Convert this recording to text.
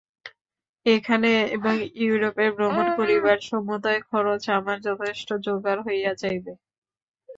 এখানে এবং ইউরোপে ভ্রমণ করিবার সমুদয় খরচ আমার যথেষ্ট যোগাড় হইয়া যাইবে।